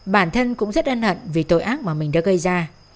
bản thân cũng rất ân hận vì tội ác mà mình đã gây ra